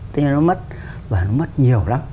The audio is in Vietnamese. thế nên nó mất và nó mất nhiều lắm